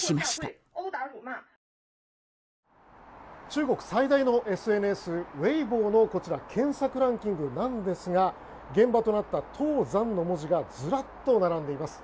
中国最大のＳＮＳウェイボーの検索ランキングなんですが現場となった唐山の文字がずらっと並んでいます。